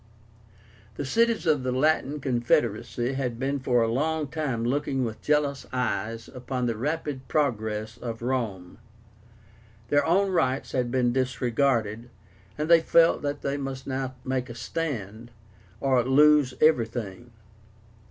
The cities of the LATIN CONFEDERACY had been for a long time looking with jealous eyes upon the rapid progress of Rome. Their own rights had been disregarded, and they felt that they must now make a stand or lose everything.